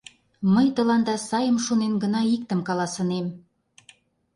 Мый тыланда сайым шонен гына иктым каласынем.